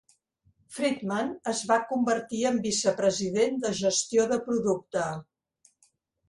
Friedman es va convertir en vicepresident de Gestió de producte.